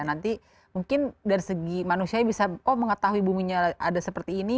jadi mungkin dari segi manusia bisa oh mengetahui buminya ada seperti ini